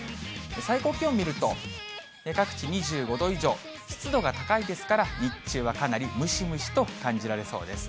最高気温見ると、各地２５度以上、湿度が高いですから、日中はかなりムシムシと感じられそうです。